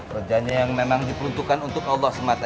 kerjanya yang memang diperuntukkan untuk allah semata